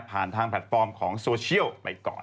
ทางแพลตฟอร์มของโซเชียลไปก่อน